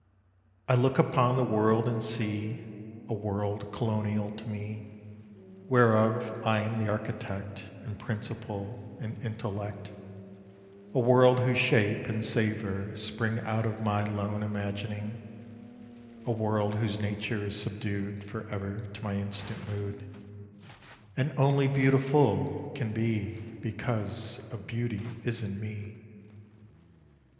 I look upon the world and see A world colonial to me, Whereof I am the architect, And principal and intellect, A world whose shape and savour spring Out of my lone imagining, A world whose nature is subdued For ever to my instant mood, And only beautiful can be Because of beauty is in me.